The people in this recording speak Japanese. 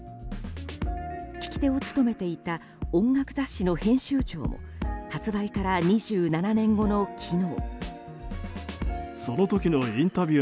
聞き手を務めていた音楽雑誌の編集長も発売から２７年後の昨日。